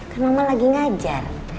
karena mama lagi ngajar